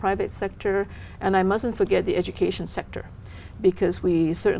vì vậy không chỉ là công ty của chúng tôi